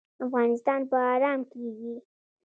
افغانستان به ارام کیږي